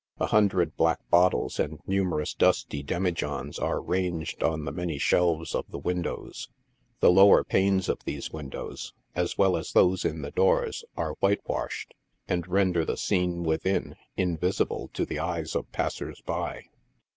A hundred black bottles and numerous dusty demijohns are ranged on the many shelves of the windows. The lower panes of these windows, as well as those in the doors, are whitewashed, and render the scene within invisible to the eyes of passers by.